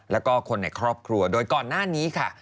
แล้วก็คนในครอบครัวโดยก่อนหน้านี้ค่ะ